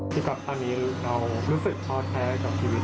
ที่ก่อนหน้านี้เรารู้สึกท้อแท้กับชีวิต